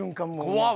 怖っ！